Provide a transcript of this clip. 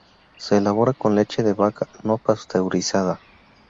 Se elabora con leche de vaca no pasteurizada.